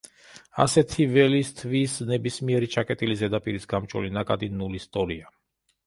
ასეთი ველისთვის ნებისმიერი ჩაკეტილი ზედაპირის გამჭოლი ნაკადი ნულის ტოლია.